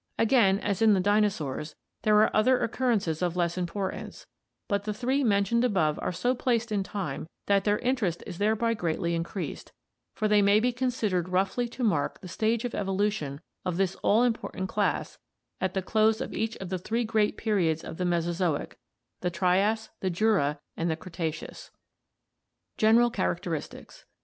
Again as in the dino saurs, there are other occurrences of less importance, but the three mentioned above are so placed in time that their interest is thereby greatly increased, for they may be considered roughly to mark the stage of evolution of this all important class at the close of each of the three great periods of the Mesozoic — the Trias, the Jura, and the Cretaceous. General Characteristics.